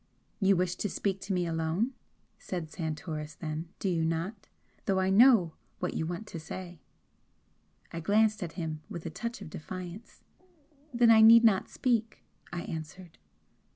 "You wish to speak to me alone," said Santoris, then "Do you not? Though I know what you want to say!" I glanced at him with a touch of defiance. "Then I need not speak," I answered.